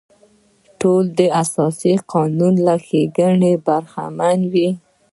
ټول د اساسي قانون له ښېګڼو برخمن وي.